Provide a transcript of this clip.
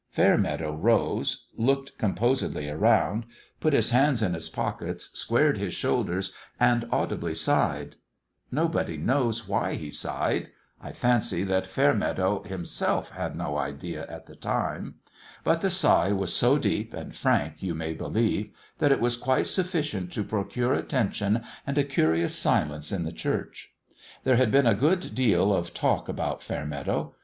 Fairmeadow rose, looked composedly around, put his hands in his pockets, squared his shoul ders, and audibly sighed. Nobody knows why he sighed : I fancy that Fairmeadow him 3)8 IN HIS OWN BEHALF self had no idea at the time. But the sigh was so deep and frank, you may believe, that it was quite sufficient to procure attention and a curi ous silence in the church. There had been a good deal of talk about Fair meadow.